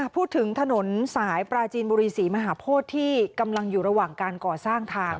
ถนนสายปราจีนบุรีศรีมหาโพธิที่กำลังอยู่ระหว่างการก่อสร้างทาง